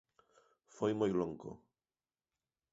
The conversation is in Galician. Foi moi longo.